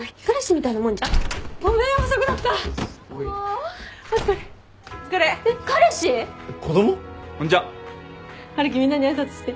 みんなに挨拶して。